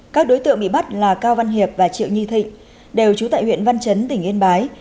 các đối tượng bị bắt là cao văn hiệp và triệu nhi thịnh đều trú tại huyện văn chấn tỉnh yên bái